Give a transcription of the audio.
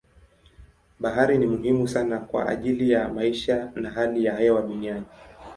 Bahari ni muhimu sana kwa ajili ya maisha na hali ya hewa duniani.